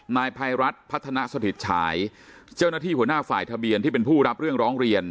นายภัยรัฐพัฒนาสถิตฉายเจ้าหน้าที่หัวหน้าฝ่ายทะเบียนที่เป็นผู้รับเรื่องร้องเรียน